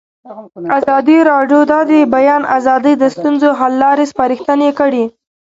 ازادي راډیو د د بیان آزادي د ستونزو حل لارې سپارښتنې کړي.